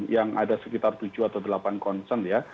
yang ada sekitar tujuh atau delapan concern ya